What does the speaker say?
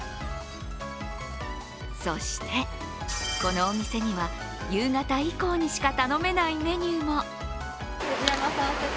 そして、このお店には夕方以降にしか頼めないメニューも。